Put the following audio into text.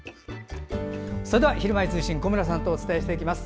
それでは「ひるまえ通信」小村さんとお伝えします。